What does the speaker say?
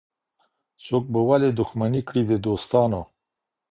څوک به ولي دښمني کړي د دوستانو